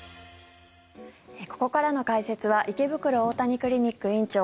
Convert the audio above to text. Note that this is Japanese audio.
ここからの解説は池袋大谷クリニック院長